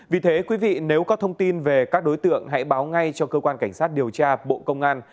vì thế quý vị nếu có thông tin về các đối tượng hãy báo ngay cho cơ quan cảnh sát điều tra bộ công an